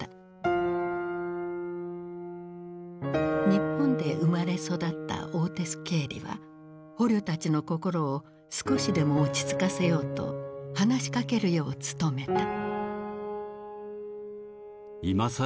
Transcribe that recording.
日本で生まれ育ったオーテス・ケーリは捕虜たちの心を少しでも落ち着かせようと話しかけるよう努めた。